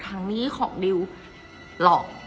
เพราะในตอนนั้นดิวต้องอธิบายให้ทุกคนเข้าใจหัวอกดิวด้วยนะว่า